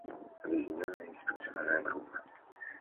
Объединенная инспекционная группа.